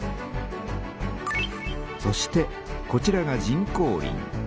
そしてこちらが人工林。